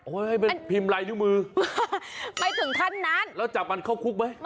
โอ้ยเป็นพิมพ์ไร้ด้วยมือไปถึงท่านนั้นแล้วจับมันเข้าคุกไหม